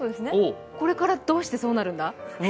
これからどうしてそうなるんだ？